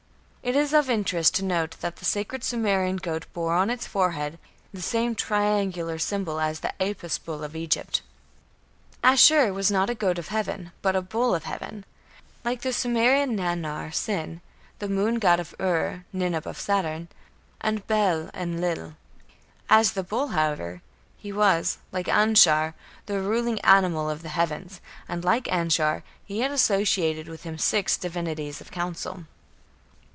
It is of interest to note that the sacred Sumerian goat bore on its forehead the same triangular symbol as the Apis bull of Egypt. Ashur was not a "goat of heaven", but a "bull of heaven", like the Sumerian Nannar (Sin), the moon god of Ur, Ninip of Saturn, and Bel Enlil. As the bull, however, he was, like Anshar, the ruling animal of the heavens; and like Anshar he had associated with him "six divinities of council".